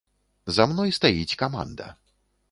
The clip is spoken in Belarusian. За мной стаіць каманда.